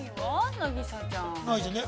凪咲ちゃん。